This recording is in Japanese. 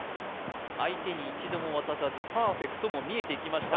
相手に一度も渡さずパーフェクトも見えてきました